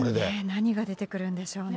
何が出てくるんでしょうね。